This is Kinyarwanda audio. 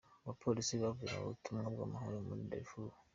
Abapolisi bavuye mu butumwa bw’amahoro muri Darfur.